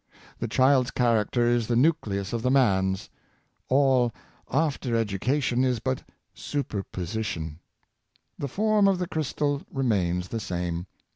The child's character is the nucleus of the man's; all after education is but superposition; the form of the crystal remains the same.